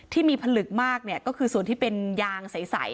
ที่มีผลึกมากเนี่ยก็คือส่วนที่เป็นยางใส